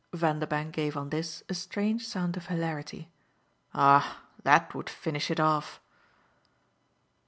Vanderbank gave on this a strange sound of hilarity. "Ah that would finish it off!"